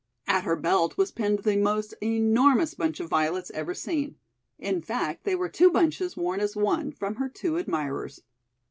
At her belt was pinned the most enormous bunch of violets ever seen. In fact, they were two bunches worn as one, from her two admirers.